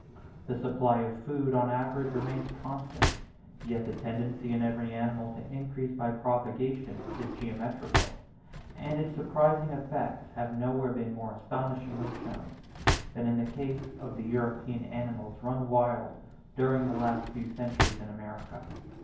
The supply of food, on an average, remains constant, yet the tendency in every animal to increase by propagation is geometrical; and its surprising effects have nowhere been more astonishingly shown, than in the case of the European animals run wild during the last few centuries in America.